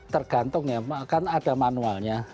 tergantung ya kan ada manualnya